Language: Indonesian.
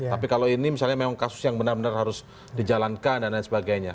tapi kalau ini misalnya memang kasus yang benar benar harus dijalankan dan lain sebagainya